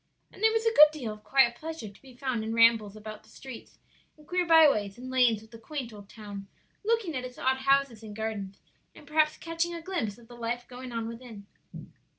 And there was a good deal of quiet pleasure to be found in rambles about the streets and queer byways and lanes of the quaint old town, looking at its odd houses and gardens, and perhaps catching a glimpse of the life going on within.